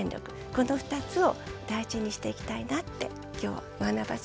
この２つを大事にしていきたいなって今日は学ばせて頂きました。